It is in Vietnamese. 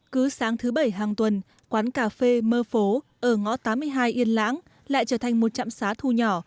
cứ sáng thứ bảy hàng tuần quán cà phê mơ phố ở ngõ tám mươi hai yên lãng lại trở thành một trạm xá thu nhỏ